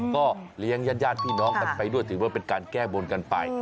ก็เลี้ยงญาติพี่น้องกันไปด้วยถือว่าเป็นการแก้บนกันไป